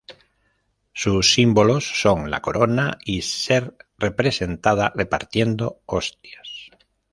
Sus sÍmbolos son la corona y ser representada repartiendo hostias.